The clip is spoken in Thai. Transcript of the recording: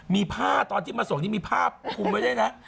มีผ้าตอนที่มาส่งนี่มีผ้าคุมไว้ด้วยนะ